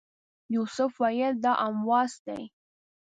یوسف ویل دا امواس دی.